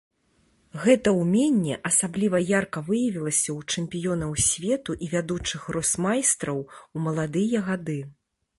Гэта ўменне асабліва ярка выявілася ў чэмпіёнаў свету і вядучых гросмайстраў у маладыя гады.